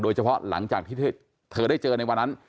โดยเฉพาะหลังจากที่เธอได้เจอในวันนั้น